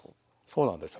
そうなんです。